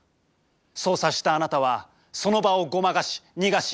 そう察したあなたはその場をごまかし逃がし